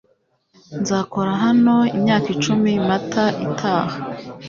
Nzakora hano imyaka icumi Mata itaha